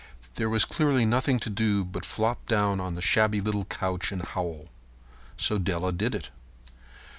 There was clearly nothing to do but flop down on the shabby little couch and howl. So Della did it.